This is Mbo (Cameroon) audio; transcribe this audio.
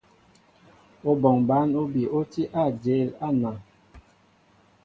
Óbɔŋ bǎn óbi ó tí á ajěl á anaŋ.